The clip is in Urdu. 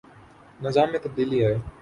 نظام میں تبدیلی آئے۔